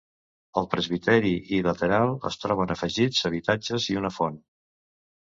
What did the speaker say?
Al presbiteri i lateral es troben afegits habitatges i una font.